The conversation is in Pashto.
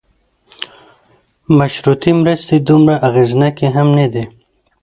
مشروطې مرستې دومره اغېزناکې هم نه دي.